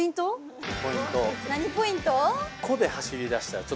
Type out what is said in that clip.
何ポイント？